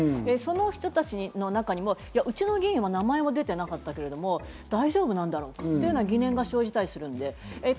その人たちの中にもうちの議員は名前出てなかったけれども大丈夫なのか？という疑念が生じたりする。